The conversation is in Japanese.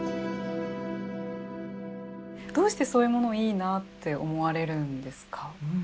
どうしてそういうものをいいなって思われるんですか？